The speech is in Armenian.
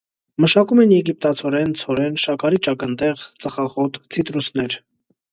Մշակում են եգիպտացորեն, ցորեն, շաքարի ճակնդեղ, ծխախոտ, ցիտրուսներ։